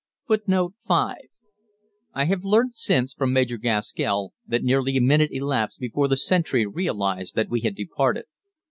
FOOTNOTES: [Footnote 5: I have learnt since from Major Gaskell that nearly a minute elapsed before the sentry realized that we had departed.